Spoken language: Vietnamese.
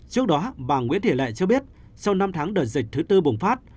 trước đó bà nguyễn thị lệ cho biết sau năm tháng đợt dịch thứ tư bùng phát